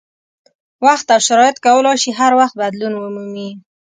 وخت او شرایط کولای شي هر وخت بدلون ومومي.